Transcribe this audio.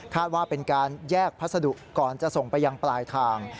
ว่าเป็นการแยกพัสดุก่อนจะส่งไปยังปลายทาง